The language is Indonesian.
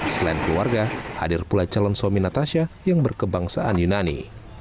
selain keluarga hadir pula calon suami natasha yang berkebangsaan yunani